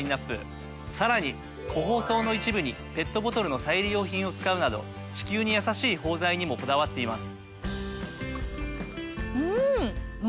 さらに個包装の一部にペットボトルの再利用品を使うなど地球にやさしい包材にもこだわっています。